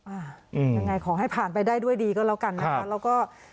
อ่ายังไงขอให้ผ่านไปได้ด้วยดีก็แล้วกันนะคะแล้วก็